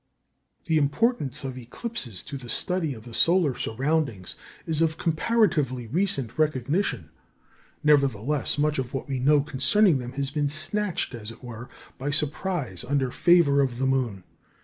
The importance of eclipses to the study of the solar surroundings is of comparatively recent recognition; nevertheless, much of what we know concerning them has been snatched, as it were, by surprise under favour of the moon.